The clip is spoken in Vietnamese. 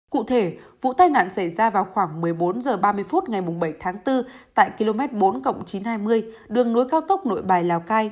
cụ thể vụ tai nạn xảy ra vào khoảng một mươi bốn h ba mươi phút ngày bảy tháng bốn tại km bốn chín trăm hai mươi đường nối cao tốc nội bài lào cai